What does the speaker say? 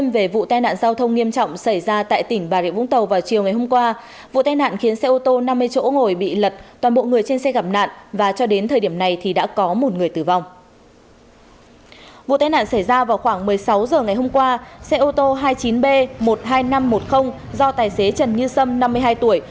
vụ tai nạn xảy ra vào khoảng một mươi sáu h ngày hôm qua xe ô tô hai mươi chín b một mươi hai nghìn năm trăm một mươi do tài xế trần như sâm năm mươi hai tuổi